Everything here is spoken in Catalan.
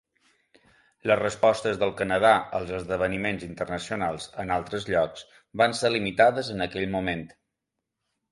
Les respostes del Canadà als esdeveniments internacionals en altres llocs van ser limitades en aquell moment.